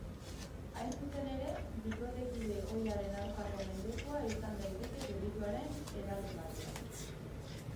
Hain zuzen ere, bikotekide ohiaren aurkako mendekua izan daiteke delituaren eragingarria.